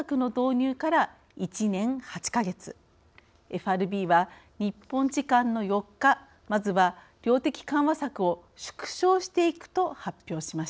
ＦＲＢは日本時間の４日まずは量的緩和策を縮小していくと発表しました。